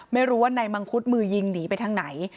ไม่รู้ว่านายมังคุดมือยิงหนีไปทางไหน